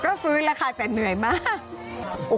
ก็ฟื้นแล้วค่ะแต่เหนื่อยมาก